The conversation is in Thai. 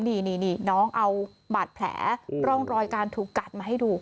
นี่น้องเอาบาดแผลร่องรอยการถูกกัดมาให้ดู